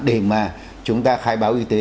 để mà chúng ta khai báo y tế